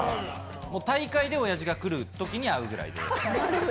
大会でおやじが来るときに会うくらいで。